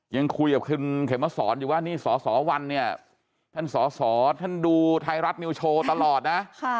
ยังคุยกับคุณเขมสอนอยู่ว่านี่สสวันเนี่ยท่านสอสอท่านดูไทยรัฐนิวโชว์ตลอดนะ